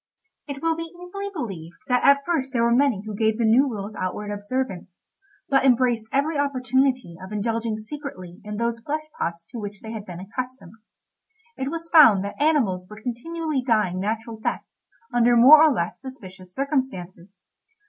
It will be easily believed that at first there were many who gave the new rules outward observance, but embraced every opportunity of indulging secretly in those flesh pots to which they had been accustomed. It was found that animals were continually dying natural deaths under more or less suspicious circumstances.